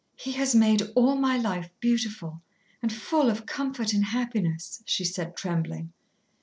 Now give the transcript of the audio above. "He has made all my life beautiful and full of comfort and happiness," she said, trembling.